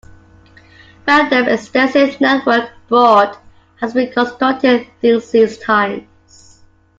Bandem's extensive network abroad has been constructed since these times.